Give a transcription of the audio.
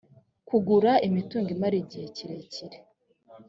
kugura imitungo imara igihe kirekire